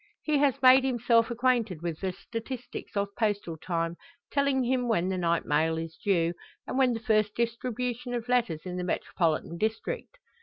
He has made himself acquainted with the statistics of postal time, telling him when the night mail is due, and when the first distribution of letters in the metropolitan district.